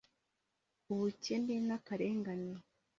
ubukene n’akarengane